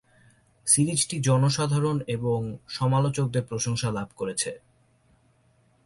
সিরিজটি জনসাধারণ এবং সমালোচকদের প্রশংসা লাভ করেছে।